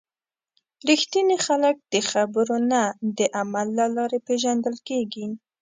رښتیني خلک د خبرو نه، د عمل له لارې پیژندل کېږي.